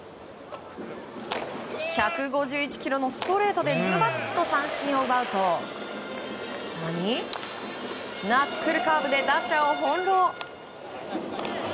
１５１キロのストレートでズバッと三振を奪うと更にナックルカーブで打者を翻弄。